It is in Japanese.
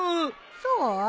そう？